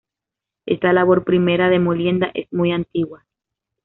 Esta labor primera de molienda es muy antigua.